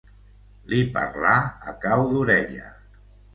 Li parlà a cau d'orella.